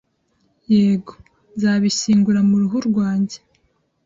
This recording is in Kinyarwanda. Yego… Nzabishyingura mu ruhu rwanjye.